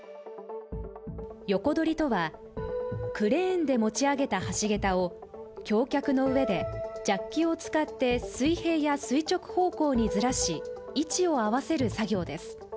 横取りとは、クレーンで持ち上げた橋桁を橋脚の上でジャッキを使って水平や垂直方向にずらし、位置を合わせる作業です。